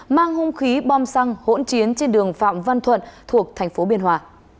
mang hung khí bom xăng hỗn chiến trên đường phạm văn thuận thuộc tp biên hòa